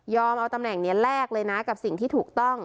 เอาตำแหน่งนี้แลกเลยนะกับสิ่งที่ถูกต้อง